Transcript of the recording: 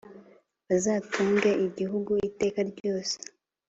bazatunge igihugu iteka ryose.